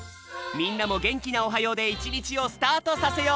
みんなもげんきな「おはよう」で１にちをスタートさせよう！